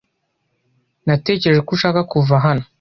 Natekereje ko ushaka kuva hano.